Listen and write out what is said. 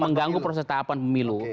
mengganggu proses tahapan pemilu